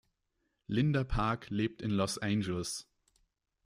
Linda Park lebt in Los Angeles.